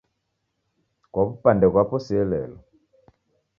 Kwa w'upande ghwapo sielelo